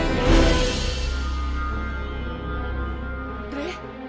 saya mau ke rumah re